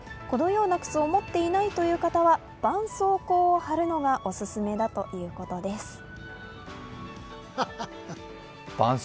このような靴を持っていないという方はばんそうこうを貼るのがオススメだということです。